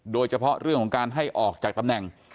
โดยเฉพาะเรื่องของการให้ออกจากตำแหน่ง